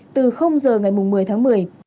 từ giờ ngày một mươi tháng một mươi